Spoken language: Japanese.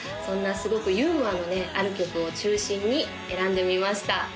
そんなすごくユーモアのねある曲を中心に選んでみました